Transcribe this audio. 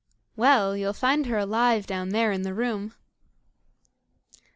"Well, you'll find her alive down there in the room."